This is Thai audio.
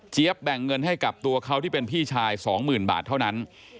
แบ่งเงินให้กับตัวเขาที่เป็นพี่ชาย๒๐๐๐บาทเท่านั้น